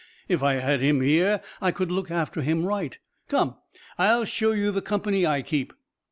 If I had him here I could look after him right. Come, I'll show you the company I keep!"